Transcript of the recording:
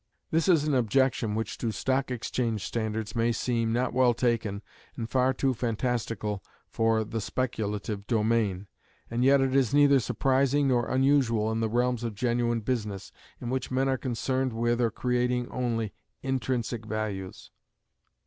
This is an objection which to stock exchange standards may seem "not well taken," and far too fantastical for the speculative domain, and yet it is neither surprising nor unusual in the realms of genuine business, in which men are concerned with or creating only intrinsic values.